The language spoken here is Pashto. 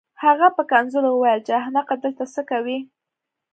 هغه په کنځلو وویل چې احمقه دلته څه کوې